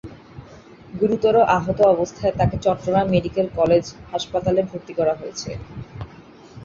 গুরুতর আহত অবস্থায় তাঁকে চট্টগ্রাম মেডিকেল কলেজ হাসপাতালে ভর্তি করা হয়েছে।